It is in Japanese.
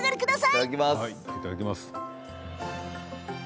いただきます。